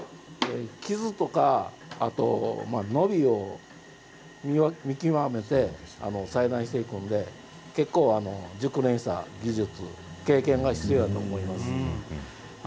傷とか伸びを見極めて裁断していくので熟練した技術経験が必要だと思います。